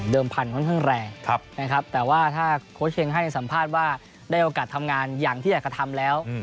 พันธุ์ค่อนข้างแรงนะครับแต่ว่าถ้าโค้ชเชงให้สัมภาษณ์ว่าได้โอกาสทำงานอย่างที่อยากกระทำแล้ว